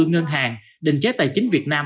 ngân hàng đình chế tài chính việt nam